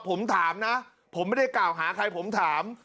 ผมถามนะผมไม่ได้กล่าวหาใครผมถาม